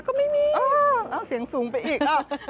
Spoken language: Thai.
ก็ไม่มีเอาเสียงสูงไปอีก